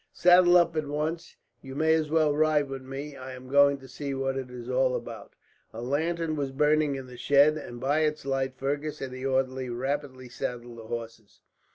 "Saddle up at once. You may as well ride with me. I am going to see what it is all about." A lantern was burning in the shed, and by its light Fergus and the orderly rapidly saddled the horses.